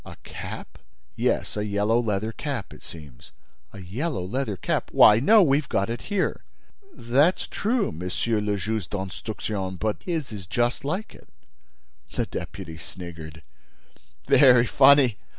"A cap?" "Yes, a yellow leather cap, it seems." "A yellow leather cap? Why, no, we've got it here!" "That's true, Monsieur le Juge d'Instruction, but his is just like it." The deputy sniggered: "Very funny!